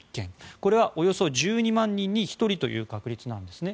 これはおよそ１２万人に１人という確率なんですね。